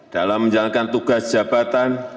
dalam menjalankan tugas jabatan